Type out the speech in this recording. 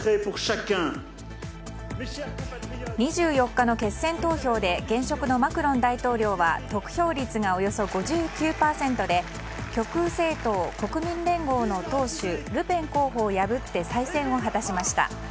２４日の決選投票で現職のマクロン大統領は得票率がおよそ５９％で極右政党国民連合の党首ルペン候補を破って再選を果たしまいた。